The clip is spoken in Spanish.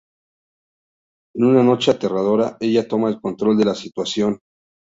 En una noche aterradora, ella toma el control de la situación.